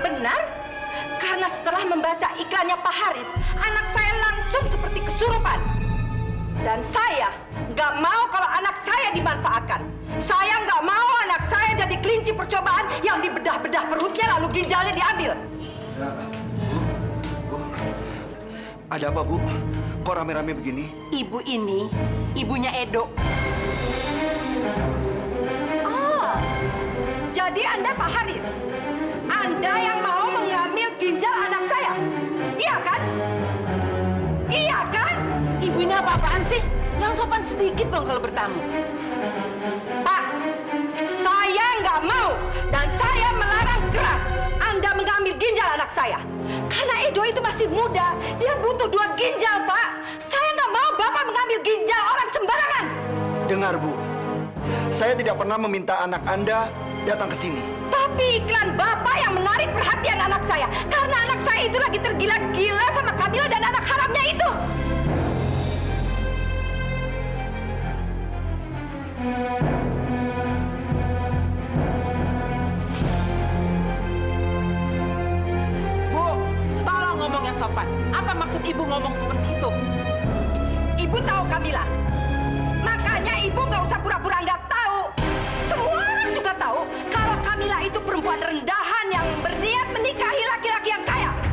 pura nggak tahu semua orang juga tahu kalau kamila itu perempuan rendahan yang berdiat menikahi laki laki yang kaya